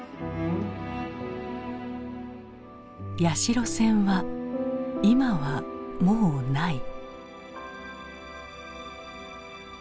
屋代線は今はもうない。